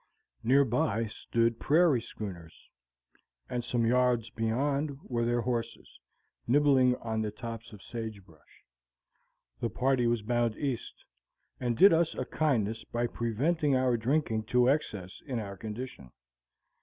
Near by stood prairie schooners, and some yards beyond were their horses, nibbling on the tops of sage brush. The party was bound east, and did us a kindness by preventing our drinking to excess in our condition.